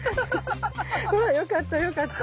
まあよかったよかった。